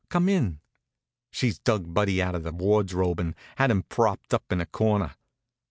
Come in." She'd dug Buddy out of the wardrobe and had him propped up in a corner.